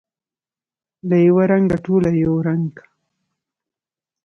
له یوه رنګه، ټوله یو رنګه